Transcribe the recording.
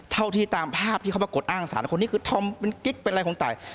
เท่าที่ตามภาพที่เขากดอ้างศาลคนนี้คือควรทำเป็นคลิกเป็นอะไรของตาย